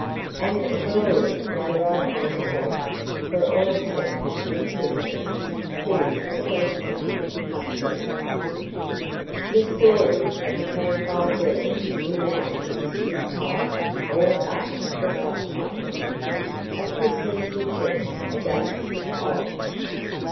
And a glorious sleighride home it was for all except the two prisoners, whom the police took into custody. The story of the CAMP FIRE GIRLS IN THE MOUNTAINS is told, all but the subtitle, "A Christmas Success Against Odds."